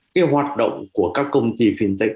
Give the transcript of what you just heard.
cái hoạt động của các công ty fintech